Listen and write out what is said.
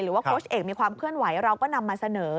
โค้ชเอกมีความเคลื่อนไหวเราก็นำมาเสนอ